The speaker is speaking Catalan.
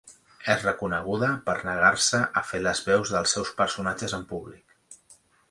És reconeguda per negar-se a fer les veus dels seus personatges en públic.